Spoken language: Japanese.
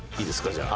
じゃあ。